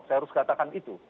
saya harus katakan itu